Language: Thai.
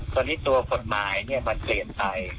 ตอนนี้ตัวกฎหมายมันเปลี่ยนไป